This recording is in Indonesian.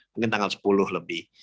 mungkin tanggal sepuluh lebih